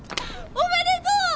おめでとう！